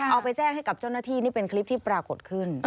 เอาไปแจ้งให้กับเจ้าหน้าที่นี่เป็นคลิปที่ปรากฏขึ้น